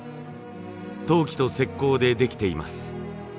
陶器と石こうでできています。